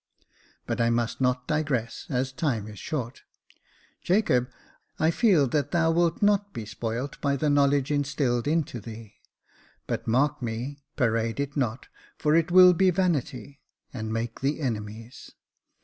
But I must not digress, as time is short. Jacob, I feel that thou wilt not be spoilt by the knowledge instilled into thee ; but mark me, parade it not, for it will be vanity, and make thee enemies.